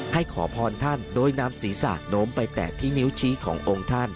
ขอพรท่านโดยนำศีรษะโน้มไปแตะที่นิ้วชี้ขององค์ท่าน